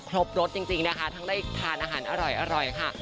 ครบรสจริงนะคะทั้งได้ทานอาหารอร่อยค่ะ